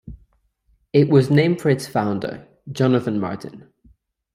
It was named for its founder, Jonathan Martin.